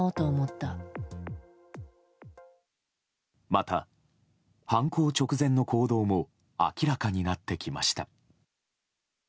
また、犯行直前の行動も明らかになってきました。